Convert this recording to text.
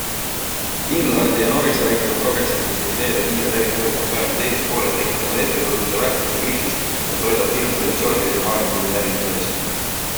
Ingleharti ja Norrise väitel on progressiivsete ideede kiire levik möödunud sajandi teises pooles tekitanud ettekujutuse väärtuste kriisist, mida toidab hirm traditsioonilise maailmapildi hävimise ees.